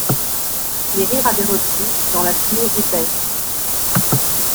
Les rires avaient repris, dans la fumée épaisse.